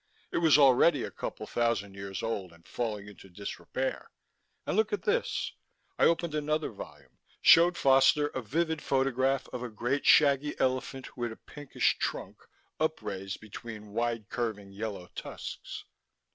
"It was already a couple thousand years old, and falling into disrepair. And look at this " I opened another volume, showed Foster a vivid photograph of a great shaggy elephant with a pinkish trunk upraised between wide curving yellow tusks.